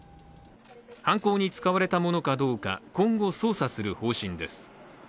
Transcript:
犯行に使われたものかどうか、今後捜査する方針です。